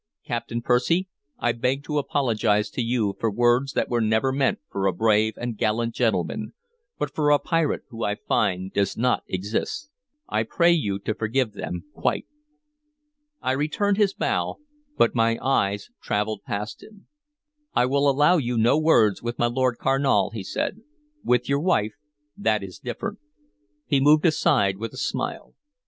"Captain Percy, I beg to apologize to you for words that were never meant for a brave and gallant gentleman, but for a pirate who I find does not exist. I pray you to forget them, quite." I returned his bow, but my eyes traveled past him. "I will allow you no words with my Lord Carnal," he said. "With your wife, that is different." He moved aside with a smile.